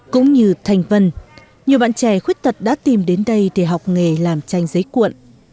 cũng như thành vân nhiều bạn trẻ khuyết tật đã tìm đến đây để học nghề làm tranh giấy cuộn